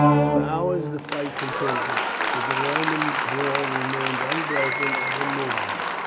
For hours the fight continued, but the Roman wall remained unbroken and immovable.